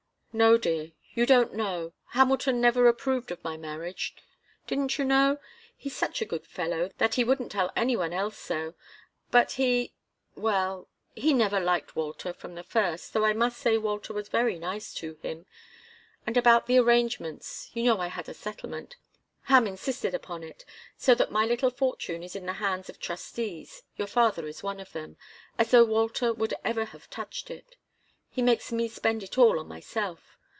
"No, dear. You don't know Hamilton never approved of my marriage. Didn't you know? He's such a good fellow that he wouldn't tell any one else so. But he well he never liked Walter, from the first, though I must say Walter was very nice to him. And about the arrangements you know I had a settlement Ham insisted upon it so that my little fortune is in the hands of trustees your father is one of them. As though Walter would ever have touched it! He makes me spend it all on myself.